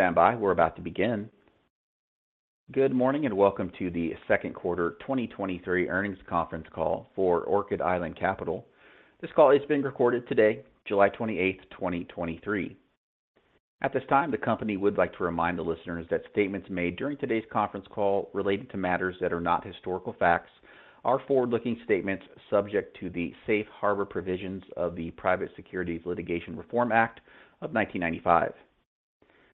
Standby. We're about to begin. Good morning, and welcome to the Q2 2023 Earnings Conference Call for Orchid Island Capital. This call is being recorded today, July 28th, 2023. At this time, the company would like to remind the listeners that statements made during today's conference call related to matters that are not historical facts are forward-looking statements subject to the Safe Harbor provisions of the Private Securities Litigation Reform Act of 1995.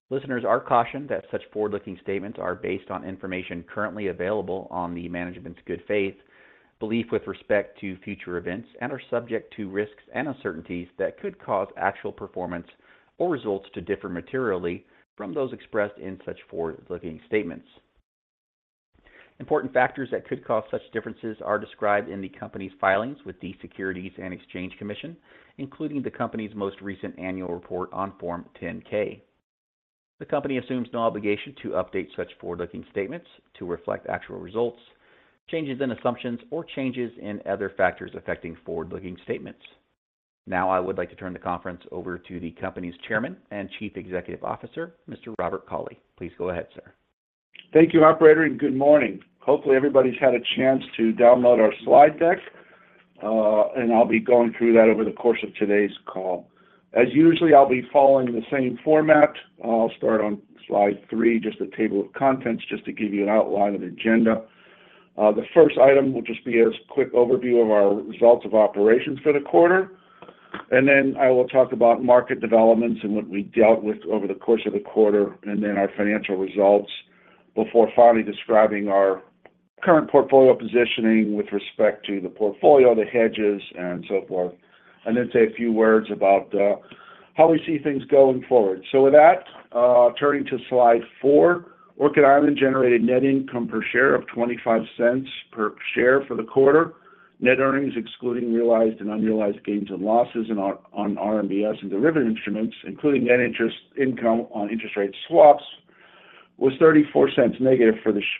Listeners are cautioned that such forward-looking statements are based on information currently available on the management's good faith, belief with respect to future events, and are subject to risks and uncertainties that could cause actual performance or results to differ materially from those expressed in such forward-looking statements. Important factors that could cause such differences are described in the company's filings with the Securities and Exchange Commission, including the company's most recent annual report on Form 10-K. The company assumes no obligation to update such forward-looking statements to reflect actual results, changes in assumptions, or changes in other factors affecting forward-looking statements. Now, I would like to turn the conference over to the company's chairman and chief executive officer, Mr. Robert Cauley. Please go ahead, sir. Thank you, operator, and good morning. Hopefully, everybody's had a chance to download our slide deck. I'll be going through that over the course of today's call. As usual, I'll be following the same format. I'll start on slide three, just a table of contents, just to give you an outline of the agenda. The first item will just be a quick overview of our results of operations for the quarter. Then I will talk about market developments and what we dealt with over the course of the quarter, and then our financial results, before finally describing our current portfolio positioning with respect to the portfolio, the hedges, and so forth. Then say a few words about how we see things going forward. With that, turning to slide four, Orchid Island generated net income per share of $0.25 per share for the quarter. Net earnings, excluding realized and unrealized gains and losses on RMBS and derivative instruments, including net interest income on interest rate swaps, was -$0.34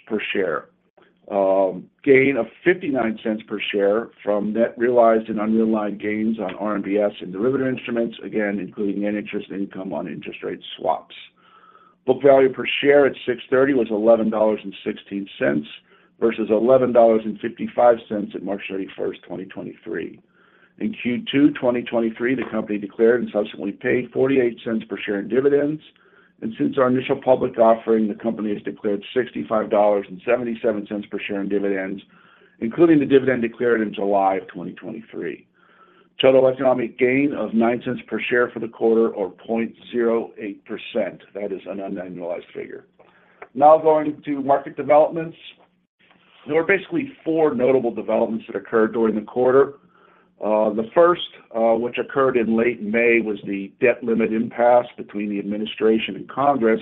per share. Gain of $0.59 per share from net realized and unrealized gains on RMBS and derivative instruments, again, including net interest income on interest rate swaps. Book value per share at June 30 was $11.16, versus $11.55 at March 31st, 2023. In Q2 2023, the company declared and subsequently paid $0.48 per share in dividends. Since our initial public offering, the company has declared $65.77 per share in dividends, including the dividend declared in July 2023. Total economic gain of $0.09 per share for the quarter, or 0.08%. That is an unannualized figure. Now going to market developments. There were basically four notable developments that occurred during the quarter. The first, which occurred in late May, was the debt limit impasse between the administration and Congress.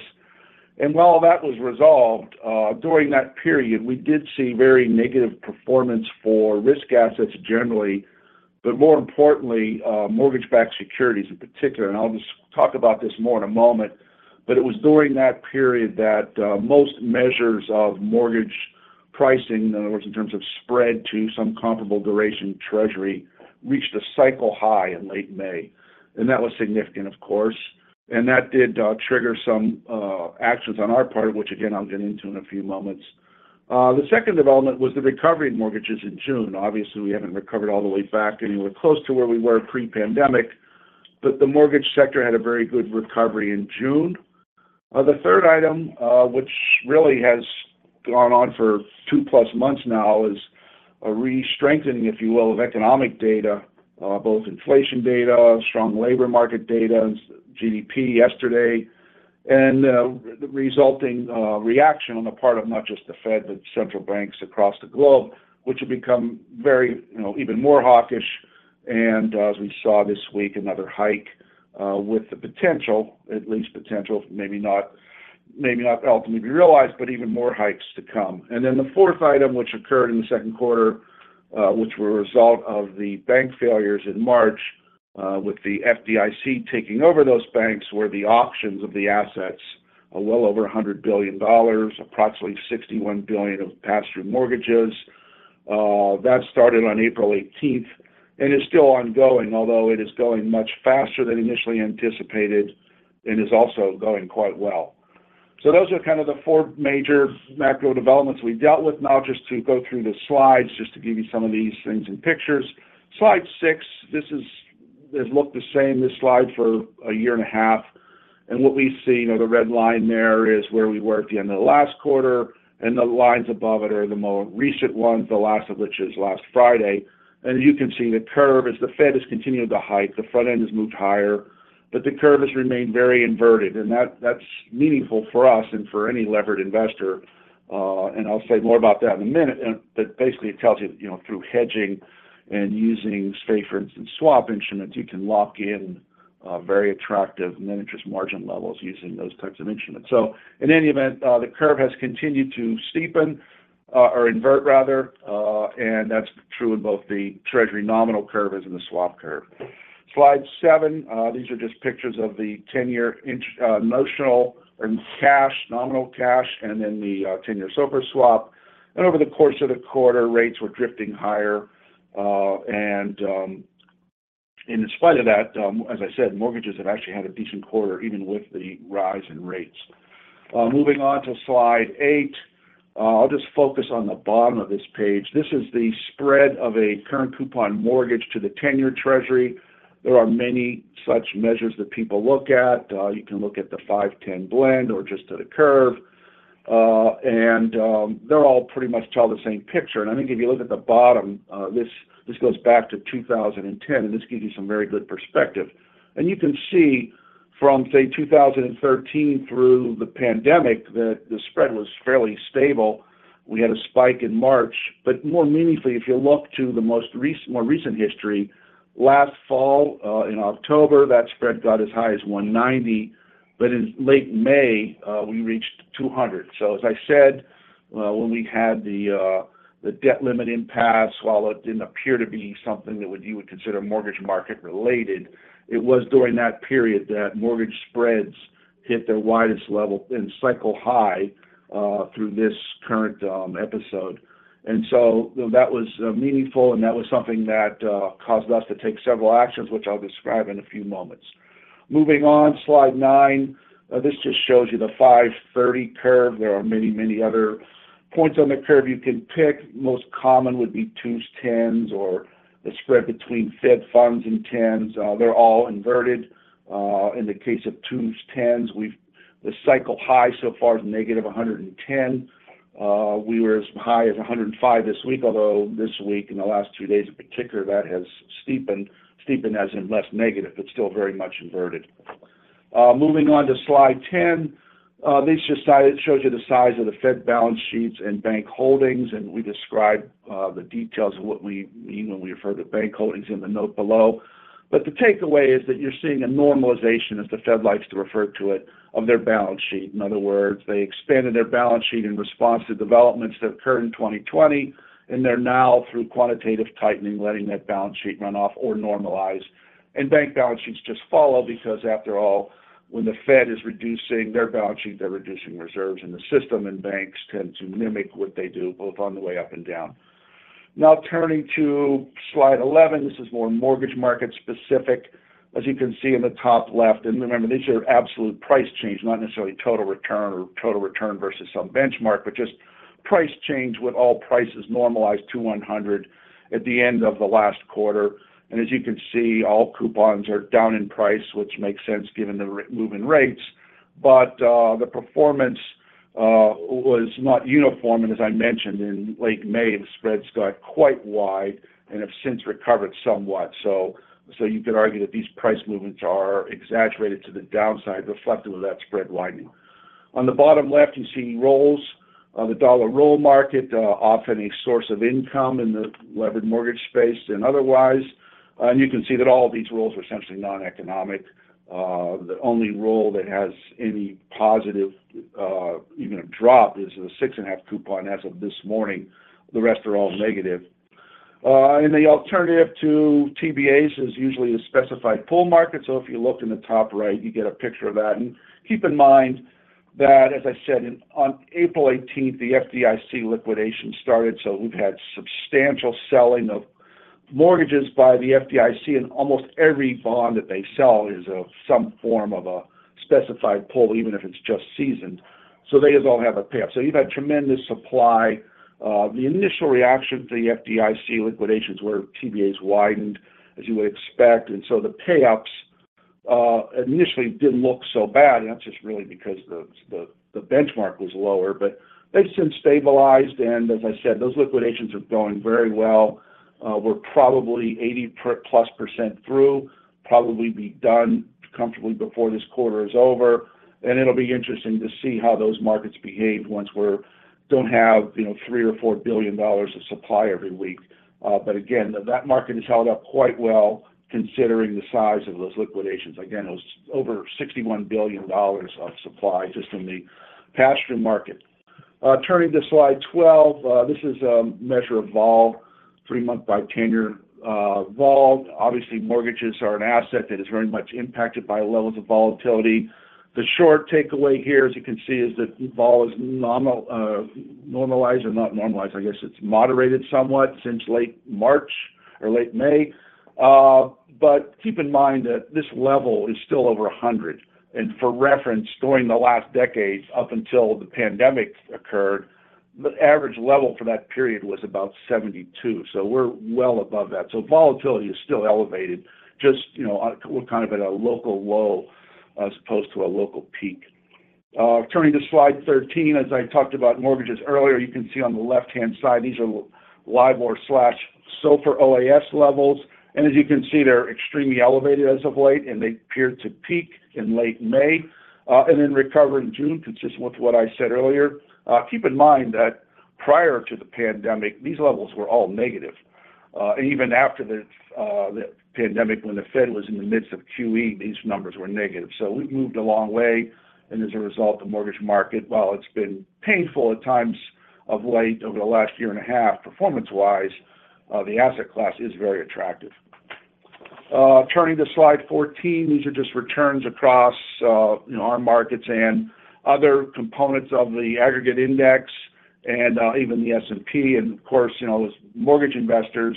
While that was resolved, during that period, we did see very negative performance for risk assets generally, but more importantly, mortgage-backed securities in particular. I'll just talk about this more in a moment, but it was during that period that, most measures of mortgage pricing, in other words, in terms of spread to some comparable duration, Treasury reached a cycle high in late May, and that was significant, of course, and that did trigger some actions on our part, which again, I'll get into in a few moments. The second development was the recovery in mortgages in June. Obviously, we haven't recovered all the way back anywhere close to where we were pre-pandemic, but the mortgage sector had a very good recovery in June. The third item, which really has gone on for two-plus months now, is a restrengthening, if you will, of economic data, both inflation data, strong labor market data, GDP yesterday, and the resulting reaction on the part of not just the Fed, but central banks across the globe, which have become very, you know, even more hawkish. As we saw this week, another hike, with the potential, at least potential, maybe not, maybe not ultimately be realized, but even more hikes to come. The fourth item, which occurred in the second quarter, which were a result of the bank failures in March, with the FDIC taking over those banks, were the auctions of the assets of well over $100 billion, approximately $61 billion of pass-through mortgages. That started on April 18th and is still ongoing, although it is going much faster than initially anticipated and is also going quite well. Those are kind of the four major macro developments we dealt with. Now, just to go through the slides, just to give you some of these things in pictures. Slide six, it looked the same, this slide, for a year and a half. What we see, you know, the red line there is where we were at the end of the last quarter, and the lines above it are the more recent ones, the last of which is last Friday. You can see the curve. As the Fed has continued to hike, the front end has moved higher, the curve has remained very inverted, that's meaningful for us and for any levered investor. I'll say more about that in a minute, but basically it tells you, you know, through hedging and using, say, for instance, swap instruments, you can lock in very attractive net interest margin levels using those types of instruments. In any event, the curve has continued to steepen or invert, rather, and that's true in both the Treasury nominal curve as in the swap curve. Slide seven. These are just pictures of the 10-year inch, notional and cash, nominal cash, and then the 10-year SOFR swap. Over the course of the quarter, rates were drifting higher, and in spite of that, as I said, mortgages have actually had a decent quarter, even with the rise in rates. Moving on to slide eight, I'll just focus on the bottom of this page. This is the spread of a current coupon mortgage to the 10-year Treasury. There are many such measures that people look at. You can look at the 5-10 blend or just at a curve, they all pretty much tell the same picture. I think if you look at the bottom, this, this goes back to 2010, and this gives you some very good perspective. You can see from, say, 2013 through the pandemic, that the spread was fairly stable. We had a spike in March, but more meaningfully, if you look to the most recent- more recent history, last fall, in October, that spread got as high as 190, but in late May, we reached 200. As I said, when we had the debt limit impasse, while it didn't appear to be something that would- you would consider mortgage market related, it was during that period that mortgage spreads hit their widest level and cycle high through this current episode. And so that was meaningful, and that was something that caused us to take several actions, which I'll describe in a few moments. Moving on, slide nine. This just shows you the 5/30 curve. There are many, many other points on the curve you can pick. Most common would be twos, tens, or the spread between Fed Funds and tens. They're all inverted. In the case of twos, tens, we've- the cycle high so far is negative 110. We were as high as 105 this week, although this week, in the last two days in particular, that has steepened. Steepened as in less negative, but still very much inverted. Moving on to slide 10, this just shows you the size of the Fed balance sheets and bank holdings, and we describe the details of what we mean when we refer to bank holdings in the note below. The takeaway is that you're seeing a normalization, as the Fed likes to refer to it, of their balance sheet. In other words, they expanded their balance sheet in response to developments that occurred in 2020, and they're now, through quantitative tightening, letting that balance sheet run off or normalize. Bank balance sheets just follow, because after all, when the Fed is reducing their balance sheet, they're reducing reserves in the system, and banks tend to mimic what they do, both on the way up and down. Now turning to slide 11. This is more mortgage market specific. As you can see in the top left, and remember, these are absolute price changes, not necessarily total return or total return versus some benchmark, but just price change with all prices normalized to 100 at the end of the last quarter. As you can see, all coupons are down in price, which makes sense given the moving rates. The performance was not uniform, and as I mentioned, in late May, the spreads got quite wide and have since recovered somewhat. You could argue that these price movements are exaggerated to the downside, reflective of that spread widening. On the bottom left, you see rolls, the dollar roll market, often a source of income in the levered mortgage space and otherwise. You can see that all of these rolls are essentially non-economic. The only roll that has any positive, even a drop, is the 6.5 coupon as of this morning. The rest are all negative. The alternative to TBAs is usually a specified pool market. If you look in the top right, you get a picture of that. Keep in mind that, as I said, on April 18th, the FDIC liquidation started, so we've had substantial selling of mortgages by the FDIC, and almost every bond that they sell is of some form of a specified pool, even if it's just seasoned. They just all have a pay-up. You've had tremendous supply. The initial reaction to the FDIC liquidations where TBAs widened, as you would expect, and so the pay-ups initially didn't look so bad, and that's just really because the benchmark was lower. They've since stabilized, and as I said, those liquidations are going very well. We're probably 80% plus percent through, probably be done comfortably before this quarter is over, and it'll be interesting to see how those markets behave once we don't have, you know, $3 billion or $4 billion of supply every week. But again, that market has held up quite well, considering the size of those liquidations. Again, it was over $61 billion of supply just in the pass-through market. Turning to slide 12, this is a measure of vol, three month by tenure, vol. Obviously, mortgages are an asset that is very much impacted by levels of volatility. The short takeaway here, as you can see, is that vol is normal- normalized or not normalized, I guess it's moderated somewhat since late March or late May. But keep in mind that this level is still over 100. For reference, during the last decades, up until the pandemic occurred, the average level for that period was about 72. We're well above that. Volatility is still elevated. Just, you know, we're kind of at a local low, as opposed to a local peak. Turning to slide 13, as I talked about mortgages earlier, you can see on the left-hand side, these are LIBOR slash SOFR OAS levels, and as you can see, they're extremely elevated as of late, and they appeared to peak in late May, and then recover in June, consistent with what I said earlier. Keep in mind that prior to the pandemic, these levels were all negative. Even after the, the pandemic, when the Fed was in the midst of QE, these numbers were negative. We've moved a long way, and as a result, the mortgage market, while it's been painful at times of late, over the last year and a half, performance-wise, the asset class is very attractive. Turning to slide 14, these are just returns across, you know, our markets and other components of the aggregate index. Even the S&P and of course, you know, those mortgage investors,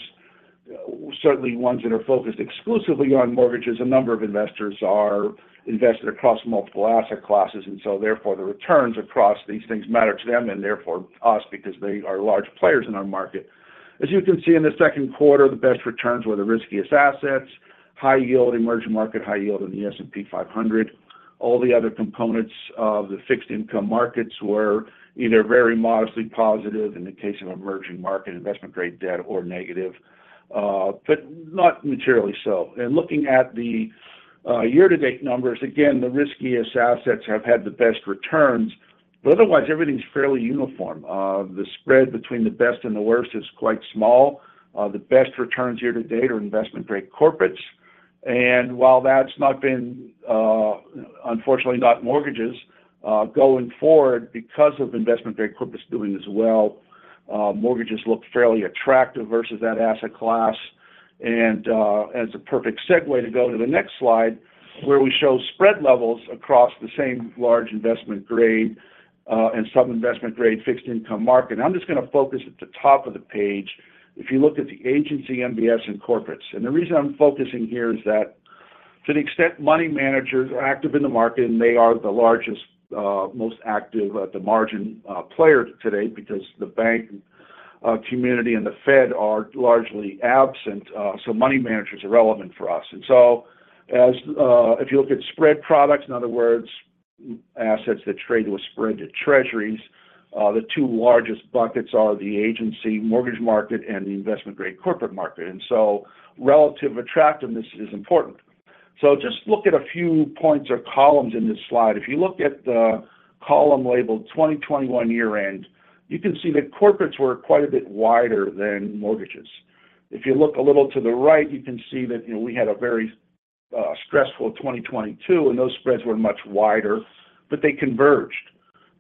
certainly ones that are focused exclusively on mortgages, a number of investors are invested across multiple asset classes, and so therefore, the returns across these things matter to them and therefore us, because they are large players in our market. As you can see in the second quarter, the best returns were the riskiest assets, high yield, emerging market, high yield in the S&P 500. All the other components of the fixed income markets were either very modestly positive in the case of emerging market, investment-grade debt or negative, but not materially so. Looking at the year-to-date numbers, again, the riskiest assets have had the best returns. Otherwise, everything's fairly uniform. The spread between the best and the worst is quite small. The best returns year to date are investment-grade corporates. While that's not been, unfortunately, not mortgages, going forward because of investment-grade corporates doing as well, mortgages look fairly attractive versus that asset class. As a perfect segue to go to the next slide, where we show spread levels across the same large investment grade, and some investment-grade fixed income market. I'm just going to focus at the top of the page. If you look at the agency, MBS and corporates, the reason I'm focusing here is that to the extent money managers are active in the market, and they are the largest, most active at the margin, player today, because the bank, community and the Fed are largely absent, so money managers are relevant for us. As if you look at spread products, in other words, assets that trade with spread to treasuries, the two largest buckets are the agency mortgage market and the investment-grade corporate market. Relative attractiveness is important. Just look at a few points or columns in this slide. If you look at the column labeled 2021 year-end, you can see that corporates were quite a bit wider than mortgages. If you look a little to the right, you can see that, you know, we had a very stressful 2022. Those spreads were much wider. They converged.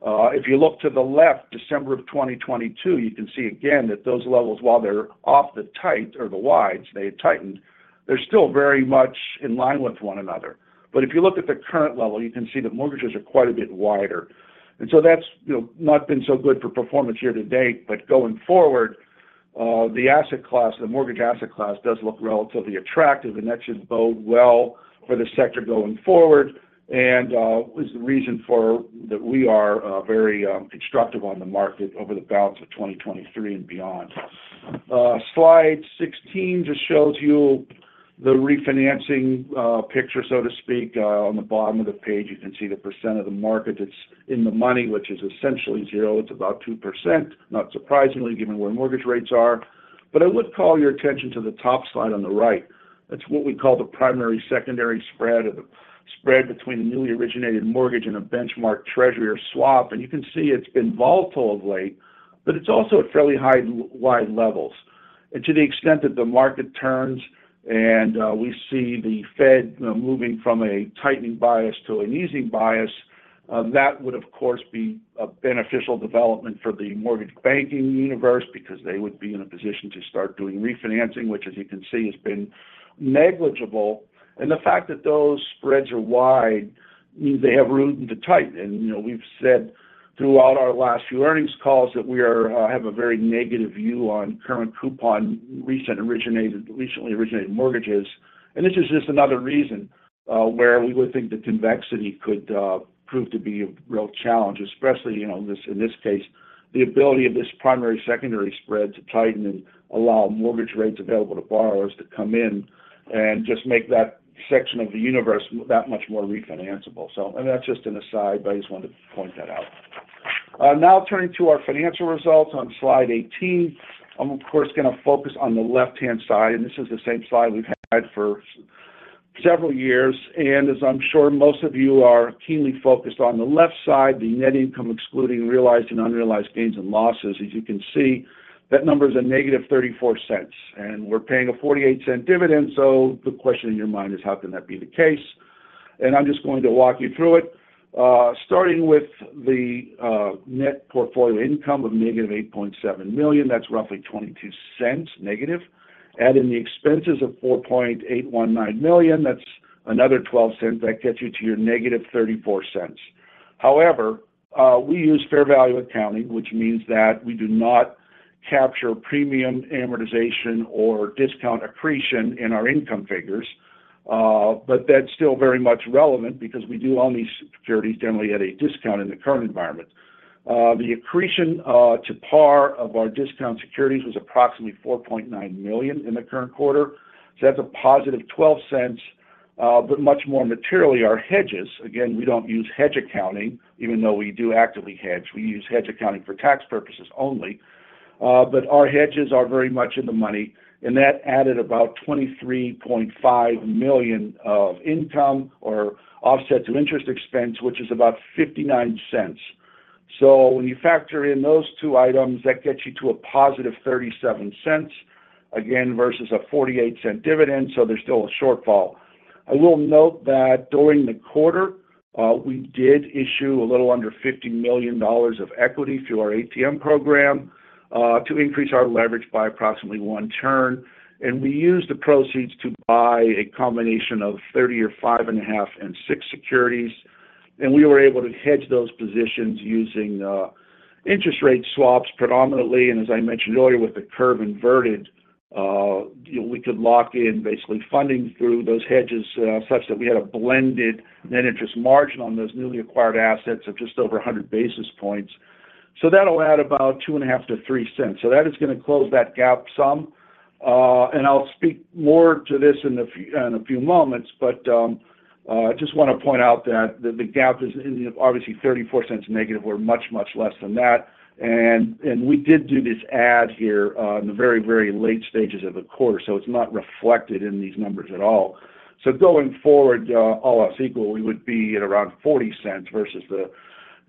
If you look to the left, December of 2022, you can see again that those levels, while they're off the tight or the wides, they had tightened. They're still very much in line with one another. If you look at the current level, you can see that mortgages are quite a bit wider. That's, you know, not been so good for performance year to date. Going forward, the asset class, the mortgage asset class, does look relatively attractive. That should bode well for the sector going forward. Is the reason for that we are very constructive on the market over the balance of 2023 and beyond. Slide 16 just shows you the refinancing picture, so to speak. On the bottom of the page, you can see the percent of the market that's in the money, which is essentially 0. It's about 2%, not surprisingly, given where mortgage rates are. I would call your attention to the top slide on the right. That's what we call the primary-secondary spread, or the spread between a newly originated mortgage and a benchmark treasury or swap. You can see it's been volatile of late, but it's also at fairly high wide levels. To the extent that the market turns and we see the Fed moving from a tightening bias to an easing bias, that would, of course, be a beneficial development for the mortgage banking universe because they would be in a position to start doing refinancing, which as you can see, has been negligible. The fact that those spreads are wide means they have room to tighten. You know, we've said throughout our last few earnings calls that we are, have a very negative view on current coupon, recently originated mortgages. This is just another reason where we would think the convexity could prove to be a real challenge, especially, you know, in this, in this case, the ability of this primary-secondary spread to tighten and allow mortgage rates available to borrowers to come in and just make that section of the universe that much more refinanceable. And that's just an aside, but I just wanted to point that out. Now turning to our financial results on slide 18. I'm of course, going to focus on the left-hand side, and this is the same slide we've had for several years. As I'm sure most of you are keenly focused on the left side, the net income excluding realized and unrealized gains and losses. As you can see, that number is -$0.34, and we're paying a $0.48 dividend. The question in your mind is: how can that be the case? I'm just going to walk you through it. Starting with the net portfolio income of negative $8.7 million, that's roughly $0.22 negative. Add in the expenses of $4.819 million. That's another $0.12. That gets you to your negative $0.34. However, we use fair value accounting, which means that we do not capture premium amortization or discount accretion in our income figures. That's still very much relevant because we do own these securities, generally at a discount in the current environment. The accretion to par of our discount securities was approximately $4.9 million in the current quarter. That's a positive $0.12, but much more materially our hedges. Again, we don't use hedge accounting, even though we do actively hedge. We use hedge accounting for tax purposes only. Our hedges are very much in the money, and that added about $23.5 million of income or offset to interest expense, which is about $0.59. When you factor in those two items, that gets you to a positive $0.37 again, versus a $0.48 dividend. There's still a shortfall. I will note that during the quarter, we did issue a little under $50 million of equity through our ATM program. To increase our leverage by approximately one turn. We used the proceeds to buy a combination of 30-year, 5.5 and 6 securities, and we were able to hedge those positions using interest rate swaps predominantly. As I mentioned earlier, with the curve inverted, you know, we could lock in basically funding through those hedges, such that we had a blended net interest margin on those newly acquired assets of just over 100 basis points. That'll add about $0.025-$0.03. That is going to close that gap some. I'll speak more to this in a few moments, but, just want to point out that the gap is obviously $0.34 negative. We're much, much less than that. We did do this add here, in the very, very late stages of the quarter, so it's not reflected in these numbers at all. Going forward, all else equal, we would be at around $0.40 versus the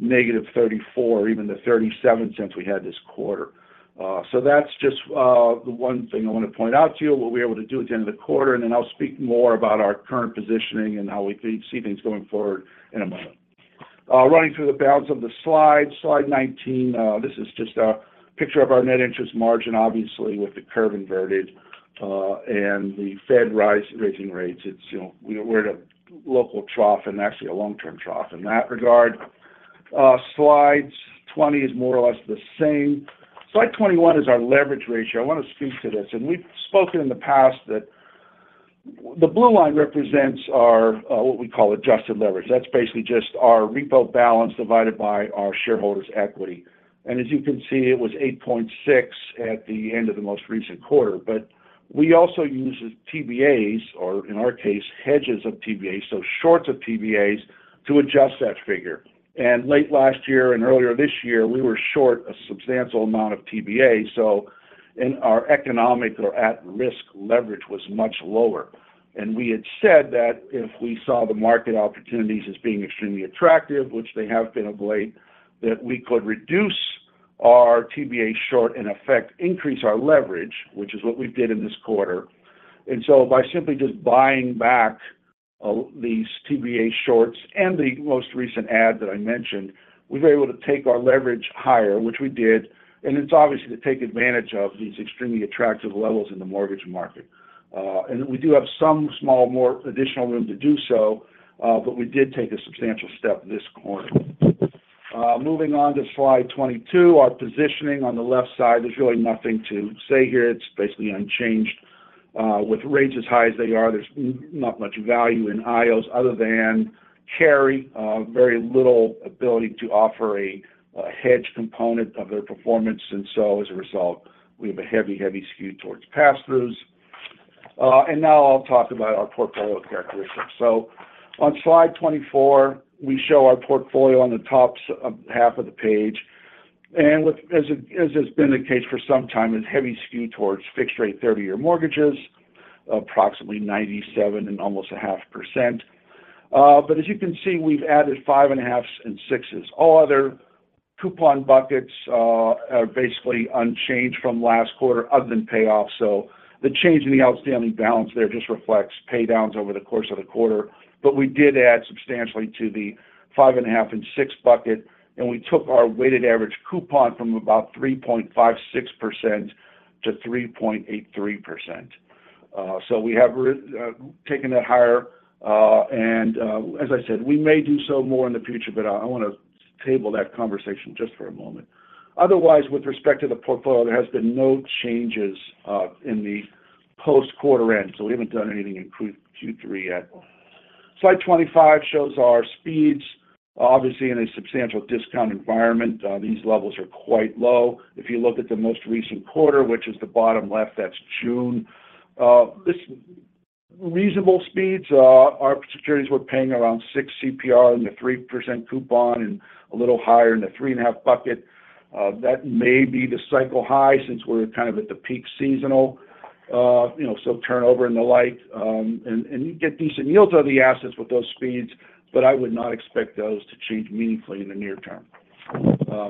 -$0.34 or even the $0.37 we had this quarter. That's just the one thing I want to point out to you, what we were able to do at the end of the quarter, and then I'll speak more about our current positioning and how we see, see things going forward in a moment. Running through the balance of the slides. Slide 19, this is just a picture of our net interest margin. Obviously, with the curve inverted, and the Fed rise- raising rates, it's, you know, we're at a local trough and actually a long-term trough in that regard. Slides 20 is more or less the same. Slide 21 is our leverage ratio. I want to speak to this. We've spoken in the past that the blue line represents our, what we call adjusted leverage. That's basically just our repo balance divided by our shareholders' equity. As you can see, it was 8.6 at the end of the most recent quarter. We also use TBAs, or in our case, hedges of TBA, so shorts of TBAs, to adjust that figure. Late last year and earlier this year, we were short a substantial amount of TBA, and our economic or at-risk leverage was much lower. We had said that if we saw the market opportunities as being extremely attractive, which they have been of late, that we could reduce our TBA short, in effect, increase our leverage, which is what we did in this quarter. By simply just buying back these TBA shorts and the most recent add that I mentioned, we were able to take our leverage higher, which we did, and it's obviously to take advantage of these extremely attractive levels in the mortgage market. We do have some small, more additional room to do so, but we did take a substantial step this quarter. Moving on to slide 22, our positioning on the left side, there's really nothing to say here. It's basically unchanged. With rates as high as they are, there's not much value in IOs other than carry, very little ability to offer a, a hedge component of their performance. As a result, we have a heavy, heavy skew towards pass-throughs. Now I'll talk about our portfolio characteristics. On slide 24, we show our portfolio on the top half of the page. As has been the case for some time, it's heavy skewed towards fixed-rate 30-year mortgages, approximately 97.5%. As you can see, we've added 5.5s and 6s. All other coupon buckets are basically unchanged from last quarter other than payoff. The change in the outstanding balance there just reflects pay downs over the course of the quarter. We did add substantially to the 5.5 and 6 bucket, and we took our weighted average coupon from about 3.56% to 3.83%. We have taken that higher. As I said, we may do so more in the future, but I, I want to table that conversation just for a moment. Otherwise, with respect to the portfolio, there has been no changes in the post-quarter end, so we haven't done anything in Q3 yet. Slide 25 shows our speeds. Obviously, in a substantial discount environment, these levels are quite low. If you look at the most recent quarter, which is the bottom left, that's June. This reasonable speeds, our securities were paying around 6 CPR in the 3% coupon and a little higher in the three-and-a-half bucket. That may be the cycle high since we're kind of at the peak seasonal, you know, so turnover and the like, and you get decent yields on the assets with those speeds, but I would not expect those to change meaningfully in the near term.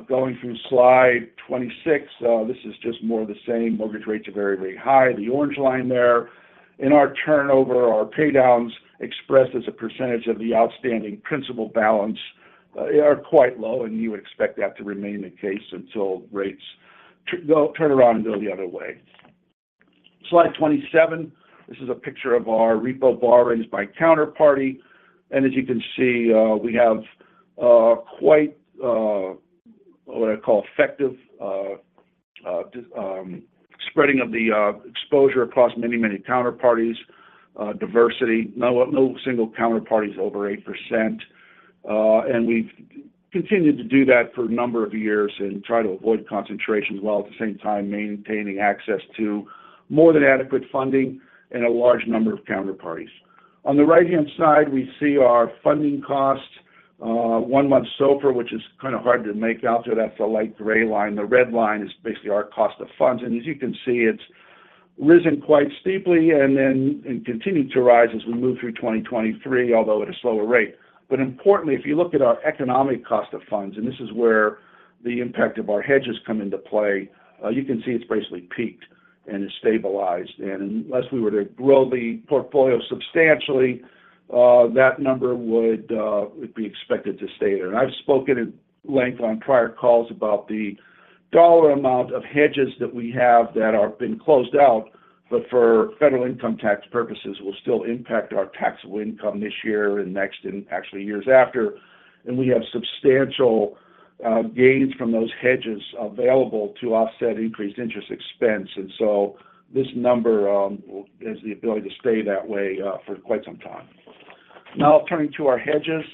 Going through slide 26, this is just more of the same. Mortgage rates are very, very high. The orange line there in our turnover, our paydowns expressed as a percent of the outstanding principal balance, are quite low, and you would expect that to remain the case until rates turn around and go the other way. Slide 27. This is a picture of our repo borrowings by counterparty, and as you can see, we have quite what I call effective spreading of the exposure across many, many counterparties, diversity. No single counterparty is over 8%. We've continued to do that for a number of years and try to avoid concentration, while at the same time maintaining access to more than adequate funding and a large number of counterparties. On the right-hand side, we see our funding cost, 1-month SOFR, which is kind of hard to make out there. That's a light gray line. The red line is basically our cost of funds, and as you can see, it's risen quite steeply and then continued to rise as we move through 2023, although at a slower rate. Importantly, if you look at our economic cost of funds, and this is where the impact of our hedges come into play, you can see it's basically peaked and is stabilized. Unless we were to grow the portfolio substantially, that number would be expected to stay there. I've spoken at length on prior calls about the dollar amount of hedges that we have that are been closed out, but for federal income tax purposes, will still impact our taxable income this year and next, and actually years after. We have substantial gains from those hedges available to offset increased interest expense. So this number will has the ability to stay that way for quite some time. Now, turning to our hedges,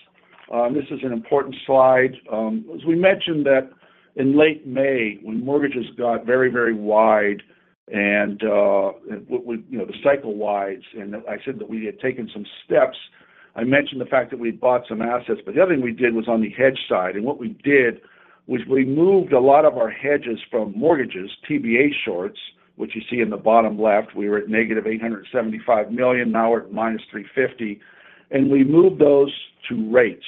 this is an important slide. As we mentioned that in late May, when mortgages got very, very wide and, you know, the cycle wides, I said that we had taken some steps. I mentioned the fact that we'd bought some assets, but the other thing we did was on the hedge side. What we did was we moved a lot of our hedges from mortgages, TBA shorts, which you see in the bottom left. We were at negative $875 million, now we're at -$350 million, and we moved those to rates,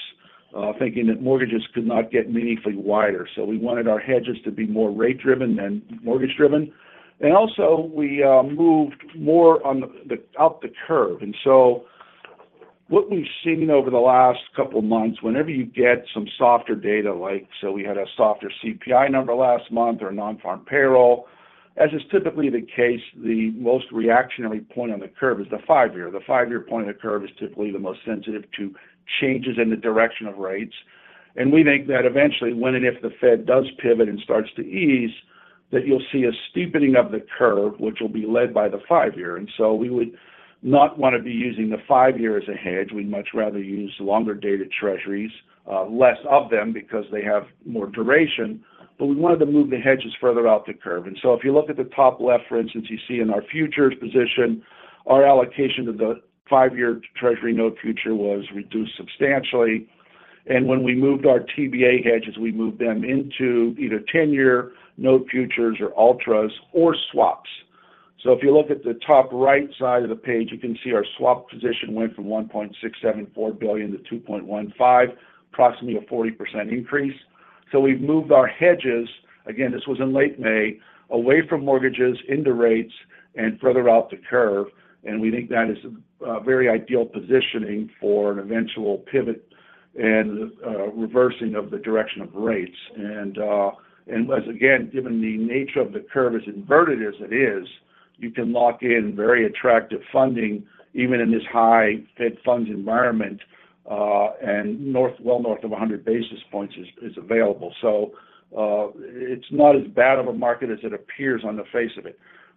thinking that mortgages could not get meaningfully wider. We wanted our hedges to be more rate-driven than mortgage-driven. Also, we moved more on the out the curve. What we've seen over the last couple of months, whenever you get some softer data, like so we had a softer CPI number last month or a Nonfarm Payroll, as is typically the case, the most reactionary point on the curve is the five-year. The five-year point of the curve is typically the most sensitive to changes in the direction of rates. We think that eventually, when and if the Fed does pivot and starts to ease, that you'll see a steepening of the curve, which will be led by the five-year. We would not want to be using the five-year as a hedge. We'd much rather use longer-dated Treasuries, less of them because they have more duration, but we wanted to move the hedges further out the curve. If you look at the top left, for instance, you see in our futures position, our allocation to the five-year Treasury note future was reduced substantially. When we moved our TBA hedges, we moved them into either 10-year note futures or ultras or swaps. If you look at the top right side of the page, you can see our swap position went from $1.674 billion to $2.15 billion, approximately a 40% increase. We've moved our hedges, again, this was in late May, away from mortgages into rates and further out the curve, and we think that is a, a very ideal positioning for an eventual pivot and reversing of the direction of rates. Once again, given the nature of the curve as inverted as it is, you can lock in very attractive funding, even in this high Fed Funds environment, and well north of 100 basis points is available.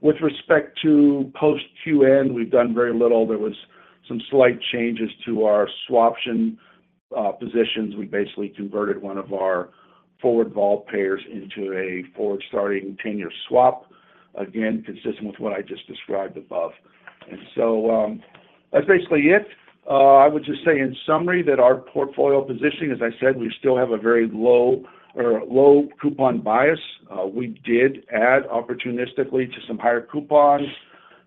With respect to post QM, we've done very little. There was some slight changes to our swaption positions. We basically converted one of our forward vol pairs into a forward starting 10-year swap. Again, consistent with what I just described above. That's basically it. I would just say in summary, that our portfolio positioning, as I said, we still have a very low or low coupon bias. We did add opportunistically to some higher coupons.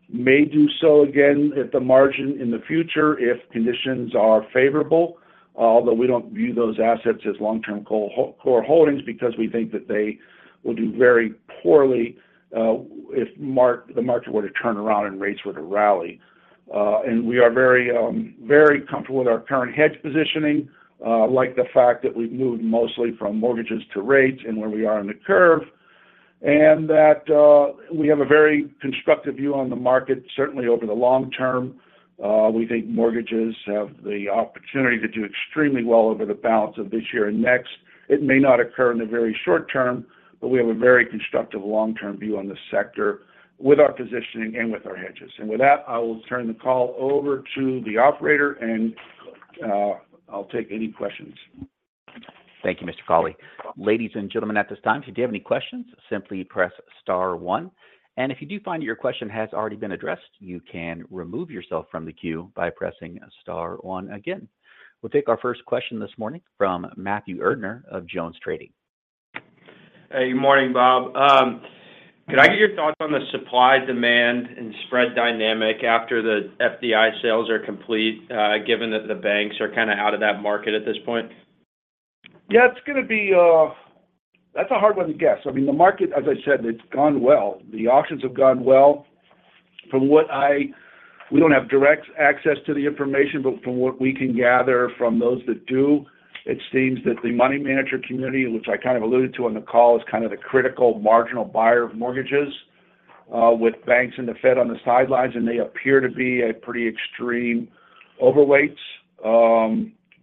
May do so again at the margin in the future, if conditions are favorable, although we don't view those assets as long-term core holdings because we think that they will do very poorly, if the market were to turn around and rates were to rally. We are very, very comfortable with our current hedge positioning, like the fact that we've moved mostly from mortgages to rates and where we are in the curve, and that we have a very constructive view on the market, certainly over the long term. We think mortgages have the opportunity to do extremely well over the balance of this year and next. It may not occur in the very short term, but we have a very constructive long-term view on this sector with our positioning and with our hedges. With that, I will turn the call over to the operator, and, I'll take any questions. Thank you, Mr. Cauley. Ladies and gentlemen, at this time, if you do have any questions, simply press star one. If you do find that your question has already been addressed, you can remove yourself from the queue by pressing star one again. We'll take our first question this morning from Matthew Erdner of JonesTrading. Hey, good morning, Bob. Could I get your thoughts on the supply, demand, and spread dynamic after the FDIC sales are complete, given that the banks are kind of out of that market at this point? Yeah, it's going to be. That's a hard one to guess. I mean, the market, as I said, it's gone well. The auctions have gone well. From what we don't have direct access to the information, but from what we can gather from those that do, it seems that the money manager community, which I kind of alluded to on the call, is kind of the critical marginal buyer of mortgages, with banks and the Fed on the sidelines. They appear to be at pretty extreme overweights.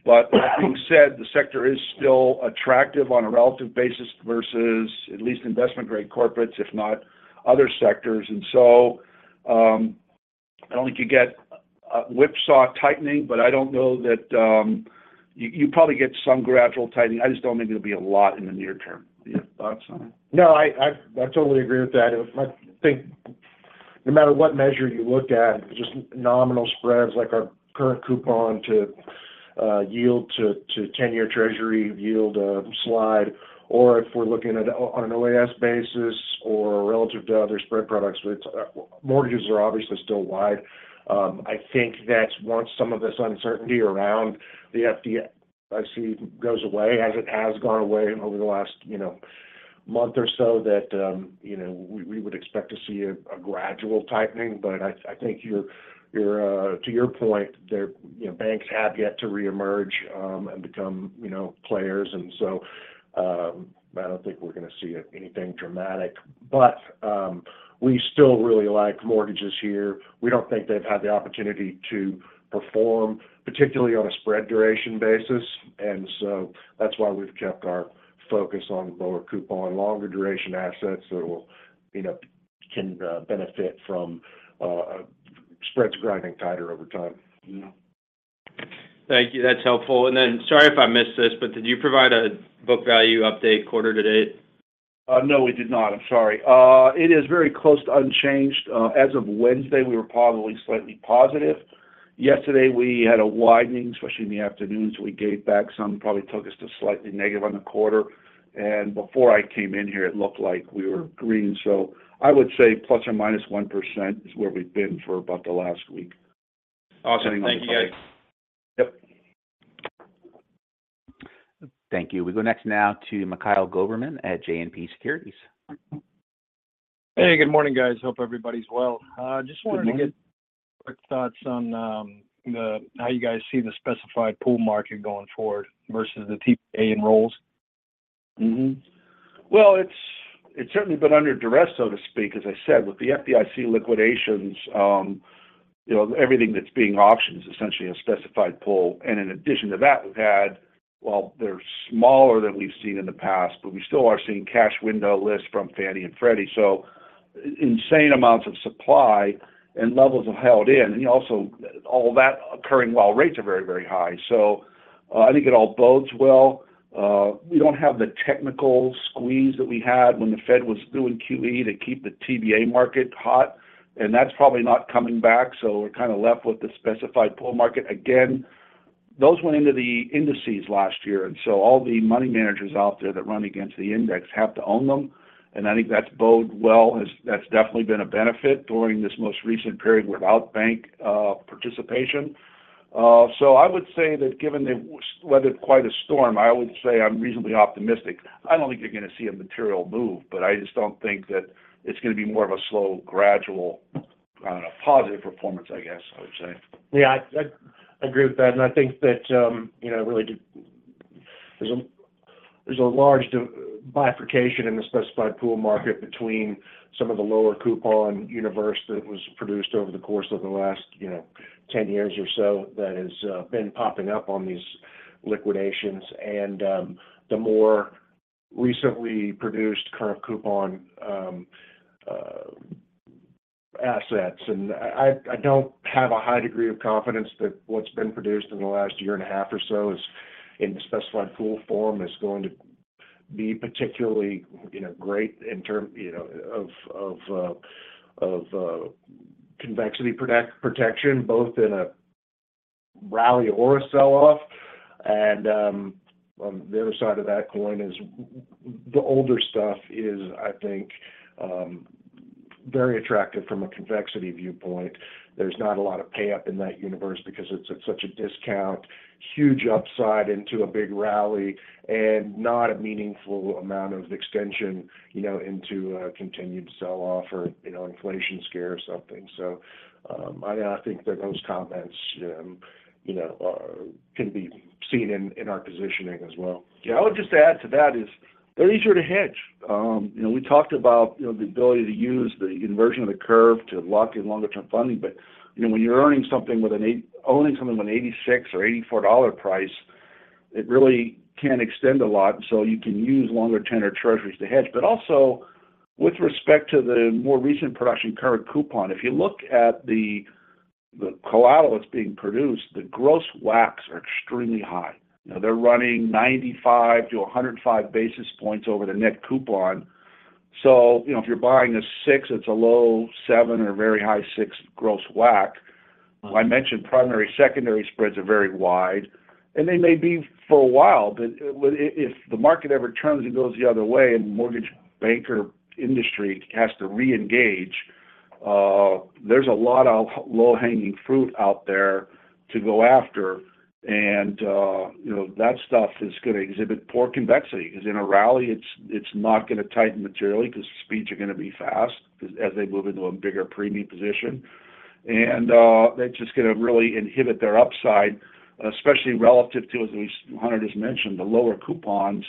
That being said, the sector is still attractive on a relative basis versus at least investment-grade corporates, if not other sectors. I don't think you get a whipsaw tightening, but I don't know that you, you probably get some gradual tightening. I just don't think it'll be a lot in the near term. Do you have thoughts on it? No, I, I, I totally agree with that. I think no matter what measure you look at, just nominal spreads, like our current coupon to yield to 10-year treasury yield, slide, or if we're looking at it on an OAS basis or relative to other spread products, which mortgages are obviously still wide. I think that once some of this uncertainty around the FDIC goes away, as it has gone away over the last, you know. month or so that, you know, we, we would expect to see a, a gradual tightening. I, I think your, your, to your point, there, you know, banks have yet to reemerge, and become, you know, players. I don't think we're going to see anything dramatic. We still really like mortgages here. We don't think they've had the opportunity to perform, particularly on a spread duration basis. That's why we've kept our focus on lower coupon, longer duration assets that will, you know, can, benefit from, spreads grinding tighter over time. Thank you. That's helpful. Then, sorry if I missed this, but did you provide a book value update quarter to date? No, we did not. I'm sorry. It is very close to unchanged. As of Wednesday, we were probably slightly positive. Yesterday, we had a widening, especially in the afternoon, so we gave back some, probably took us to slightly negative on the quarter. Before I came in here, it looked like we were green. I would say ±1% is where we've been for about the last week. Awesome. Thank you, guys. Yep. Thank you. We go next now to Mikhail Goberman at JMP Securities. Hey, good morning, guys. Hope everybody's well. Good morning. Just wanted to get quick thoughts on how you guys see the specified pool market going forward versus the TBA dollar rolls? Well, it's, it's certainly been under duress, so to speak, as I said, with the FDIC liquidations. You know, everything that's being auctioned is essentially a specified pool. In addition to that, we've had, while they're smaller than we've seen in the past, but we still are seeing cash window lists from Fannie and Freddie, insane amounts of supply and levels of held in. Also, all that occurring while rates are very, very high. I think it all bodes well. We don't have the technical squeeze that we had when the Fed was doing QE to keep the TBA market hot, and that's probably not coming back, so we're kind of left with the specified pool market. Those went into the indices last year, so all the money managers out there that run against the index have to own them, and I think that's bode well. That's, that's definitely been a benefit during this most recent period without bank participation. I would say that given they've weathered quite a storm, I would say I'm reasonably optimistic. I don't think you're going to see a material move, I just don't think that it's going to be more of a slow, gradual, positive performance, I guess I would say. Yeah, I, I agree with that, and I think that, you know, really there's a, there's a large bifurcation in the specified pool market between some of the lower coupon universe that was produced over the course of the last, you know, 10 years or so, that has been popping up on these liquidations and the more recently produced current coupon assets. I, I, I don't have a high degree of confidence that what's been produced in the last year and a half or so is in the specified pool form, is going to be particularly, you know, great in term, you know, of, of convexity protection, both in a rally or a sell-off. On the other side of that coin is the older stuff is, I think, very attractive from a convexity viewpoint. There's not a lot of pay-up in that universe because it's at such a discount, huge upside into a big rally and not a meaningful amount of extension, you know, into a continued sell-off or, you know, inflation scare or something. I, I think that those comments, you know, can be seen in, in our positioning as well. Yeah. I would just add to that is, they're easier to hedge. you know, we talked about, you know, the ability to use the inversion of the curve to lock in longer-term funding. you know, when you're owning something with an $86 or $84 price, it really can extend a lot, so you can use longer 10-year Treasuries to hedge. Also with respect to the more recent production current coupon, if you look at the, the collateral that's being produced, the gross WACs are extremely high. You know, they're running 95 to 105 basis points over the net coupon. you know, if you're buying a six, it's a low seven or a very high six gross WAC. I mentioned primary-secondary spreads are very wide, and they may be for a while, but if the market ever turns and goes the other way and mortgage banker industry has to reengage, there's a lot of low-hanging fruit out there to go after. You know, that stuff is going to exhibit poor convexity, because in a rally, it's, it's not going to tighten materially because speeds are going to be fast as they move into a bigger premium position. That's just going to really inhibit their upside, especially relative to, as Hunter just mentioned, the lower coupons,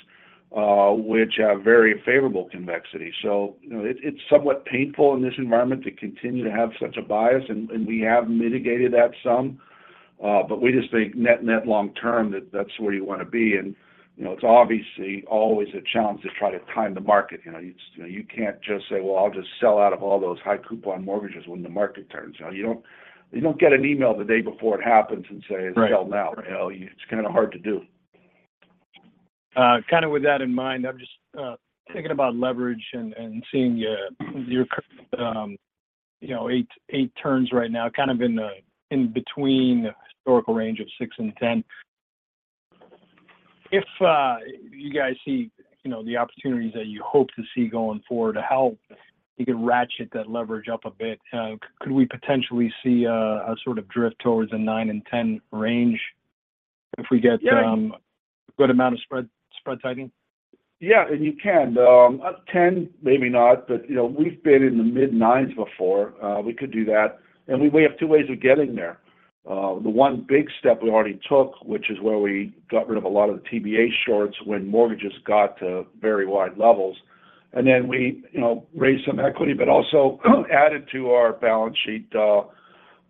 which have very favorable convexity. You know, it's, it's somewhat painful in this environment to continue to have such a bias, and, and we have mitigated that some, but we just think net, net long term, that that's where you want to be. You know, it's obviously always a challenge to try to time the market. You know, you, you can't just say, "Well, I'll just sell out of all those high coupon mortgages when the market turns." You don't, you don't get an email the day before it happens and say, "Sell now. Right. You know, it's kind of hard to do. Kind of with that in mind, I'm just thinking about leverage and, and seeing, your, you know, eight, eight turns right now, kind of in the in between the historical range of 6 and 10. If, you guys see, you know, the opportunities that you hope to see going forward to help, you can ratchet that leverage up a bit. Could we potentially see a sort of drift towards a 9 and 10 range if we get a good amount of spread, spread tightening? Yeah, you can. At 10, maybe not, but, you know, we've been in the mid-9s before. We could do that. We, we have two ways of getting there. The one big step we already took, which is where we got rid of a lot of the TBA shorts when mortgages got to very wide levels. Then we, you know, raised some equity, but also added to our balance sheet,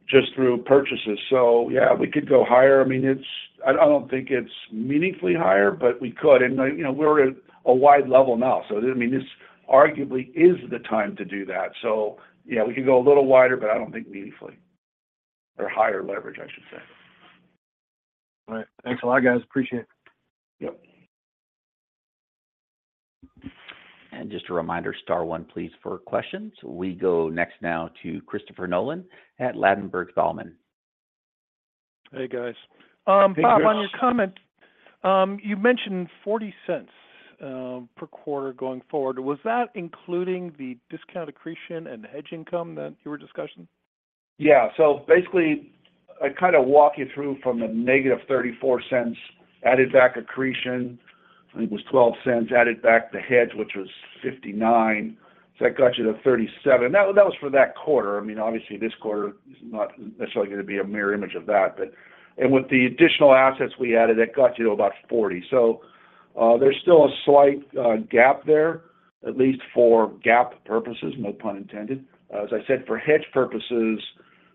just through purchases. Yeah, we could go higher. I mean, I don't think it's meaningfully higher, but we could. You know, we're at a wide level now, so, I mean, this arguably is the time to do that. Yeah, we could go a little wider, but I don't think meaningfully. Higher leverage, I should say. All right. Thanks a lot, guys. Appreciate it. Yep. Just a reminder, star one, please, for questions. We go next now to Christopher Nolan at Ladenburg Thalmann. Hey, guys. Hey, Chris. Bob, on your comment, you mentioned $0.40 per quarter going forward. Was that including the discount accretion and the hedge income that you were discussing? Yeah. Basically, I kind of walk you through from the -$0.34, added back accretion, I think it was $0.12, added back the hedge, which was $0.59. That got you to $0.37. That, that was for that quarter. I mean, obviously, this quarter is not necessarily going to be a mirror image of that, but. With the additional assets we added, that got to about $0.40. There's still a slight gap there, at least for GAAP purposes, no pun intended. As I said, for hedge purposes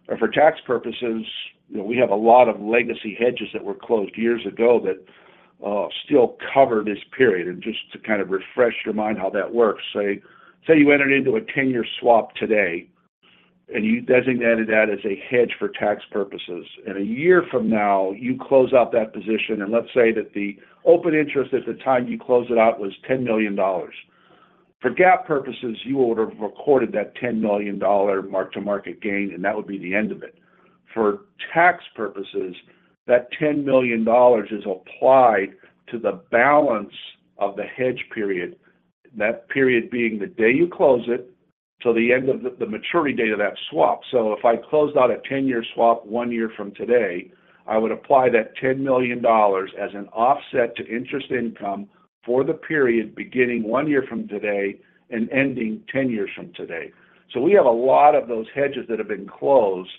or for tax purposes, you know, we have a lot of legacy hedges that were closed years ago that still cover this period. Just to kind of refresh your mind how that works, say, say you entered into a 10-year swap today, and you designated that as a hedge for tax purposes. A year from now, you close out that position, and let's say that the open interest at the time you closed it out was $10 million. For GAAP purposes, you would have recorded that $10 million mark-to-market gain, and that would be the end of it. For tax purposes, that $10 million is applied to the balance of the hedge period, that period being the day you close it till the end of the maturity date of that swap. If I closed out a 10-year swap one year from today, I would apply that $10 million as an offset to interest income for the period beginning one year from today and ending 10 years from today. We have a lot of those hedges that have been closed,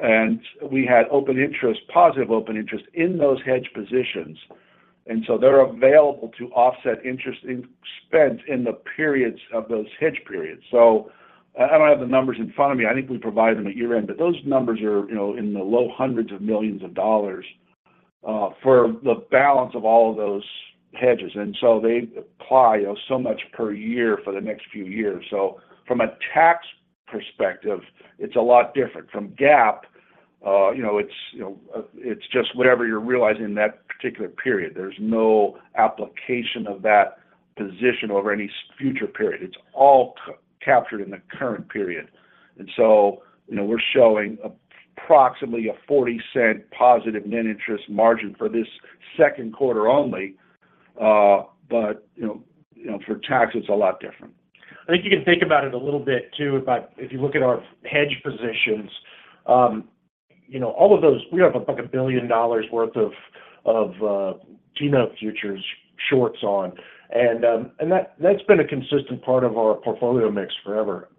and we had open interest, positive open interest in those hedge positions, and they're available to offset interest in spent in the periods of those hedge periods. I, I don't have the numbers in front of me. I think we provide them at year-end, but those numbers are, you know, in the low hundreds of millions of dollars for the balance of all of those hedges. They apply so much per year for the next few years. From a tax perspective, it's a lot different. From GAAP, you know, it's, you know, it's just whatever you're realizing in that particular period. There's no application of that position over any future period. It's all captured in the current period. You know, we're showing approximately a $0.40 positive net interest margin for this Q2 only, but, you know, you know, for tax, it's a lot different. I think you can think about it a little bit, too, if you look at our hedge positions, you know, all of those, we have like $1 billion worth of, of, T-note futures shorts on. That, that's been a consistent part of our portfolio mix forever.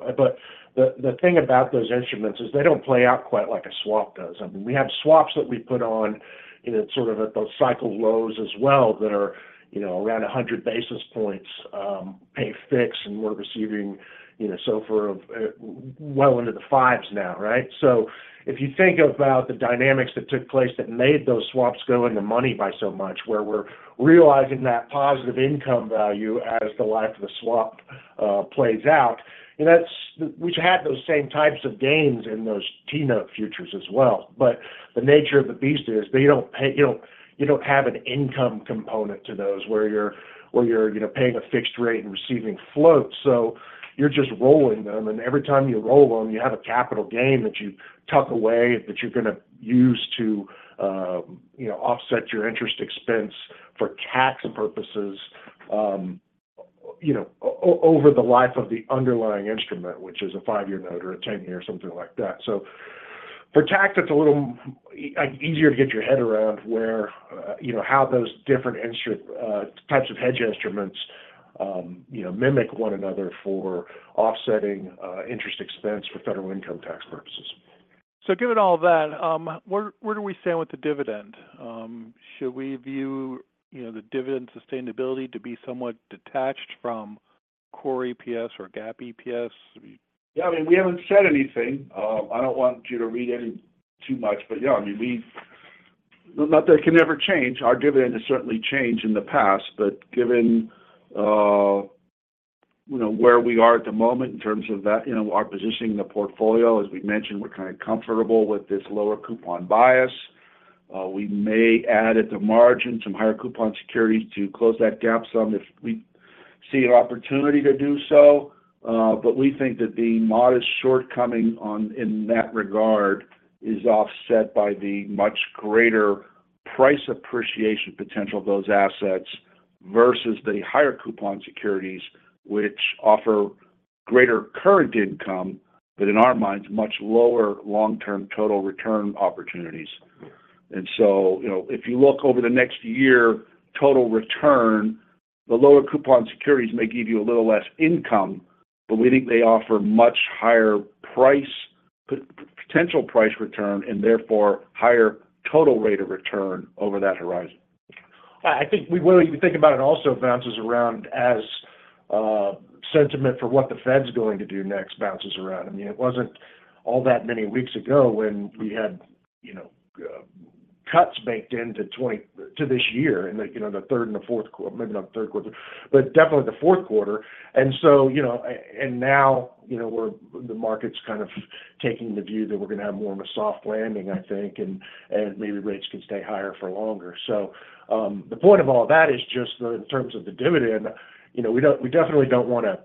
The, the thing about those instruments is they don't play out quite like a swap does. I mean, we have swaps that we put on, you know, sort of at those cycle lows as well, that are, you know, around 100 basis points, pay fixed, and we're receiving, you know, SOFR, well into the 5s now, right? If you think about the dynamics that took place that made those swaps go into money by so much, where we're realizing that positive income value as the life of the swap plays out, and that's, we've had those same types of gains in those T-note futures as well. The nature of the beast is, they don't pay, you don't, you don't have an income component to those where you're, where you're, you know, paying a fixed rate and receiving float. You're just rolling them, and every time you roll them, you have a capital gain that you tuck away, that you're going to use to, you know, offset your interest expense for tax purposes, you know, over the life of the underlying instrument, which is a five-year note or a 10-year, something like that. For tax, it's a little easier to get your head around where, you know, how those different types of hedge instruments, you know, mimic one another for offsetting interest expense for federal income tax purposes. Given all that, where, where do we stand with the dividend? Should we view, you know, the dividend sustainability to be somewhat detached from core EPS or GAAP EPS? Yeah, I mean, we haven't said anything. I don't want you to read any too much, but yeah, I mean, we-- not that it can never change. Our dividend has certainly changed in the past, but given, you know, where we are at the moment in terms of that, you know, our positioning in the portfolio, as we mentioned, we're kind of comfortable with this lower coupon bias. We may add at the margin some higher coupon securities to close that gap some if we see an opportunity to do so. We think that the modest shortcoming on-- in that regard is offset by the much greater price appreciation potential of those assets versus the higher coupon securities, which offer greater current income, but in our minds, much lower long-term total return opportunities. You know, if you look over the next year, total return, the lower coupon securities may give you a little less income, but we think they offer much higher price, potential price return, and therefore higher total rate of return over that horizon. I think we, the way you think about it also bounces around as sentiment for what the Fed's going to do next bounces around. I mean, it wasn't all that many weeks ago when we had, you know, cuts baked into twenty- to this year in the, you know, the third and the Q4, maybe not the Q3, but definitely the Q4. You know, now, you know, we're the market's kind of taking the view that we're gonna have more of a soft landing, I think, and maybe rates can stay higher for longer. The point of all that is just that in terms of the dividend, you know, we don't, we definitely don't wanna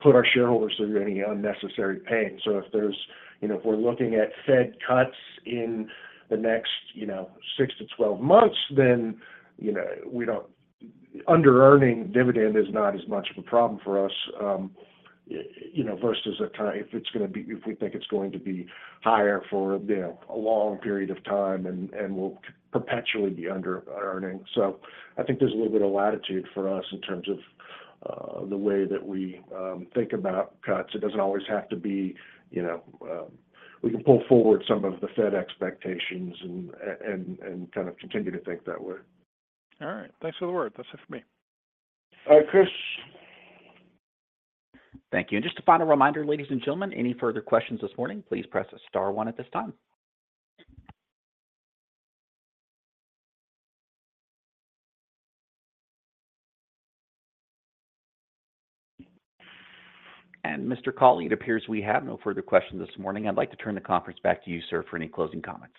put our shareholders through any unnecessary pain. If there's, you know, if we're looking at Fed cuts in the next, you know, 6 to 12 months, then, you know, we don't under earning dividend is not as much of a problem for us, you know, versus a time. If it's gonna be if we think it's going to be higher for, you know, a long period of time, and we'll perpetually be under earning. I think there's a little bit of latitude for us in terms of the way that we think about cuts. It doesn't always have to be, you know, we can pull forward some of the Fed expectations and, and, and kind of continue to think that way. All right. Thanks for the word. That's it for me. Alright Chris. Thank you. Just a final reminder, ladies and gentlemen, any further questions this morning, please press star one at this time. Mr. Cauley, it appears we have no further questions this morning. I'd like to turn the conference back to you, sir, for any closing comments.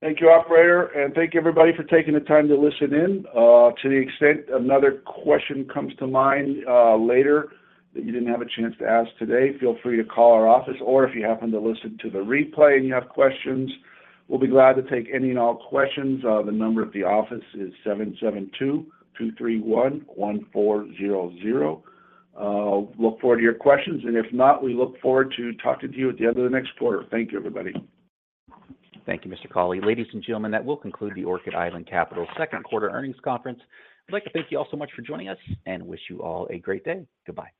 Thank you, operator, and thank you, everybody, for taking the time to listen in. To the extent another question comes to mind later, that you didn't have a chance to ask today, feel free to call our office, or if you happen to listen to the replay and you have questions, we'll be glad to take any and all questions. The number at the office is 772-231-1400. Look forward to your questions, and if not, we look forward to talking to you at the end of the next quarter. Thank you, everybody. Thank you, Mr. Cauley. Ladies and gentlemen, that will conclude the Orchid Island Capital Q2 Earnings Conference. I'd like to thank you all so much for joining us and wish you all a great day. Goodbye.